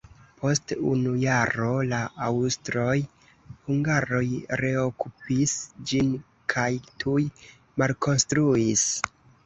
Post unu jaro la aŭstroj-hungaroj reokupis ĝin kaj tuj malkonstruis.